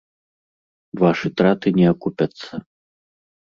Вашы траты не акупяцца.